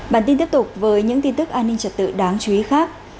bản tin tiếp tục với những tin tức an ninh trật tự đáng chú ý khác